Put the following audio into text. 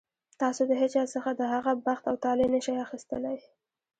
تاسو د هېچا څخه د هغه بخت او طالع نه شئ اخیستلی.